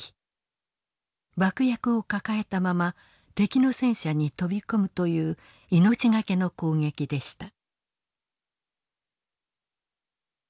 爆薬を抱えたまま敵の戦車に飛び込むという命懸けの攻撃でした。